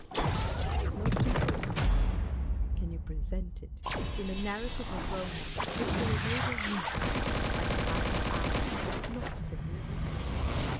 And, most important of all, can you present it in a narrative or romance which will enable me to pass an idle hour not disagreeably?